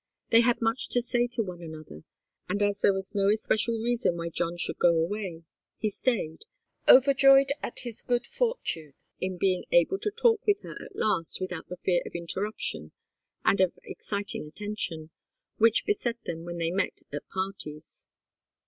They had much to say to one another, and as there was no especial reason why John should go away, he stayed, overjoyed at his good fortune in being able to talk with her at last without the fear of interruption and of exciting attention, which beset them when they met at parties.